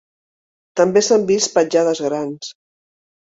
També s'han vist petjades grans.